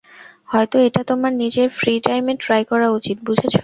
হয়তো এটা তোমার নিজের ফ্রি টাইমে ট্রাই করা উচিত, বুঝেছ?